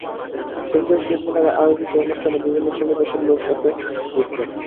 কেন্দ্রীয় শহীদ মিনারে আয়োজিত অনুষ্ঠানে বিভিন্ন শ্রেণী-পেশার লোক এতে যোগ দেন।